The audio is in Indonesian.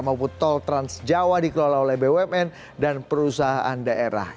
maupun tol trans jawa dikelola oleh bumn dan perusahaan daerah